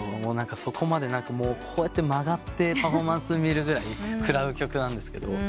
そこまで曲がってパフォーマンス見るぐらい食らう曲なんですけど。